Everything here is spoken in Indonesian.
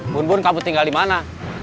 bun bun kamu tinggal dimana